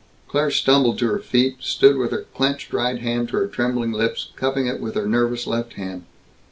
Claire stumbled to her feet, stood with her clenched right hand to her trembling lips, cupping it with her nervous left hand.